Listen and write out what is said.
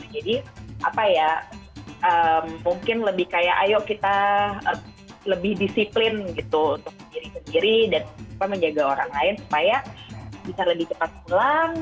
jadi apa ya mungkin lebih kayak ayo kita lebih disiplin gitu untuk sendiri sendiri dan menjaga orang lain supaya bisa lebih cepat pulang